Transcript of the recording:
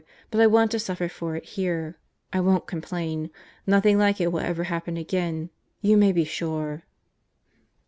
But I want to suffer for it here. I won't complain. Nothing like it will ever happen again, you may be sure.